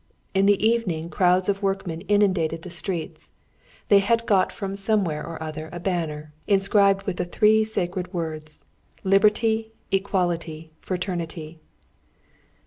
In the evening crowds of workmen inundated the streets. They had got from somewhere or other a banner, inscribed with the three sacred words, "Liberty, Equality, Fraternity!"